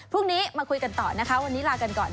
พรุ่งนี้มาคุยกันต่อนะคะวันนี้ลากันก่อน